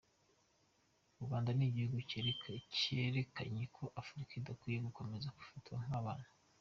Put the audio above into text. U Rwanda ni igihugu cyerekanye ko Afurika idakwiriye gukomeza gufatwa nk’abana.